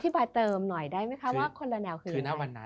อธิบายเติมหน่อยได้ไหมคะว่าคนละแนวคืออย่างไร